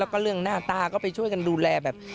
แล้วก็เรื่องหน้าตาก็ไปช่วยกันดูแลแบบ